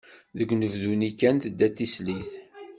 Deg unebdu-nni kan tedda d tislit.